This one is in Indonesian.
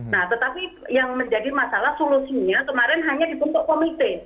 nah tetapi yang menjadi masalah solusinya kemarin hanya dibentuk komite